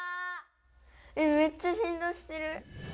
めっちゃ振動してる。